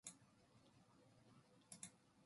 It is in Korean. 아담이 다시 아내와 동침하매